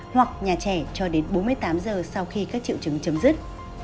hoặc nhà trẻ cho đến bốn mươi tám giờ sau khi các triệu chứng chấm dứt